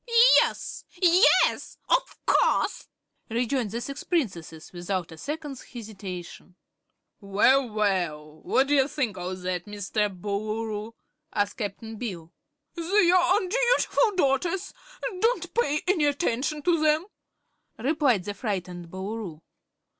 "Yes, yes; of course!" rejoined the six Princesses, without a second's hesitation. "Well, well! What d' ye think o' that, Mr. Boolooroo?" asked Cap'n Bill. "They're undutiful daughters; don't pay any attention to them," replied the frightened Boolooroo.